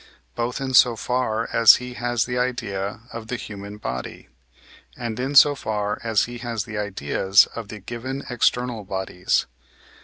both in so far as he has the idea of the human body, and in so far as he has the ideas of the given external bodies.